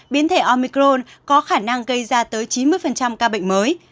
biến thể omicron có khả năng gây ra tới chín mươi ca bệnh mới